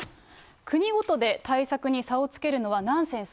国ごとで対策に差をつけるのはナンセンス。